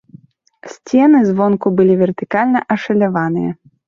Сцены звонку былі вертыкальна ашаляваныя.